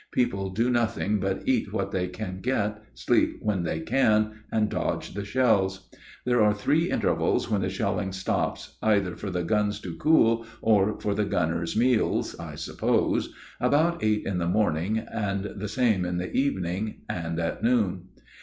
People do nothing but eat what they can get, sleep when they can, and dodge the shells. There are three intervals when the shelling stops either for the guns to cool or for the gunners' meals, I suppose, about eight in the morning, the same in the evening, and at noon.